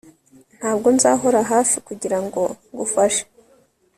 Ntabwo nzahora hafi kugirango ngufashe